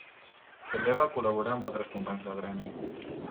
També va col·laborar amb altres companys del gremi.